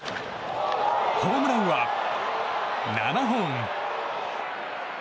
ホームランは７本。